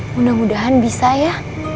mudah mudahan bisa ya